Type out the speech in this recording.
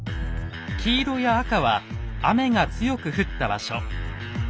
黄色や赤は雨が強く降った場所。